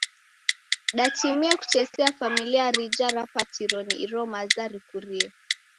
Datimie kutesia familia rija ripatiro ni iro maza rikurie.